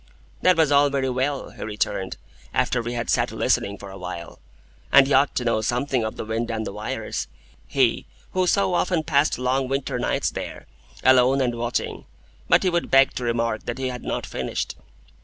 That was all very well, he returned, after we had sat listening for a while, and he ought to know something of the wind and the wires,—he who so often passed long winter nights there, alone and watching. But he would beg to remark that he had not finished.